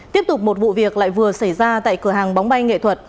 tiếp tục một vụ việc lại vừa xảy ra tại cửa hàng bóng bay nghệ thuật